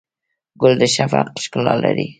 ګل د شفق ښکلا لري.